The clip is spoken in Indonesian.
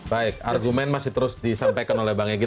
baik argumen masih terus disampaikan oleh bang egy